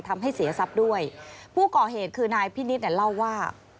ทำให้เสียทรัพย์ด้วยผู้ก่อเหตุคือนายพินิษฐ์เนี่ยเล่าว่า